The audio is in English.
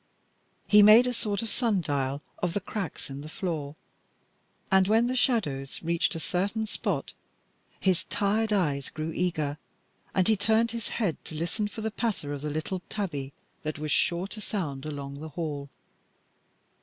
He made a sort of sun dial of the cracks in the floor, and when the shadows reached a certain spot his tired eyes grew eager, and he turned his head to listen for the patter of the little tabi that was sure to sound along the hall.